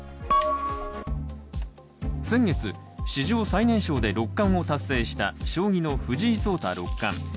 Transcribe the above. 先月、史上最年少で六冠を達成した将棋の藤井聡太六冠。